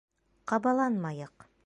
Ҡабаланмайыҡ.